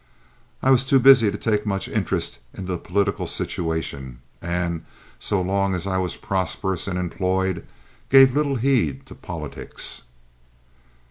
I was too busy to take much interest in the political situation, and, so long as I was prosperous and employed, gave little heed to politics.